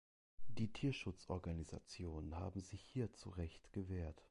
Die Tierschutzorganisationen haben sich hier zu Recht gewehrt.